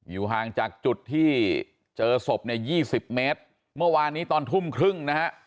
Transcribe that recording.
อยู่ห่างจากจุดที่เจอศพ๒๐เม็ดเมื่อวานหนี้ตอนธุ่มครึ่ง